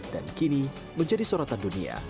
dan kini menjadi sorotan dunia